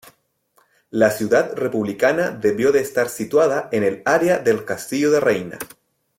La ciudad republicana debió de estar situada en el área del castillo de Reina.